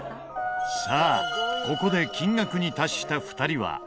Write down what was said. さあここで金額に達した２人は。